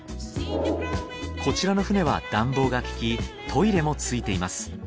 こちらの船は暖房がききトイレもついています。